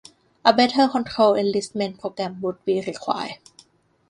A better-controlled enlistment program would be required.